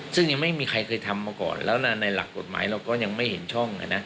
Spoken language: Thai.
ซึ่งยังไม่มีใครเคยทำมาก่อนแล้วในหลักกฎหมายเราก็ยังไม่เห็นช่อง